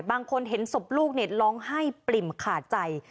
บางคนเห็นศพลูกร้องไห้ปริ่มขาดใจ